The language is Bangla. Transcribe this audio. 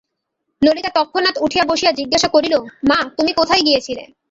ললিতা তৎক্ষণাৎ উঠিয়া বসিয়া জিজ্ঞাসা করিল, মা, তুমি কোথায় গিয়েছিলে?